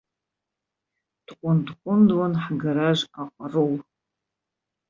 Дҟәындҟәындуан ҳгараж аҟарул.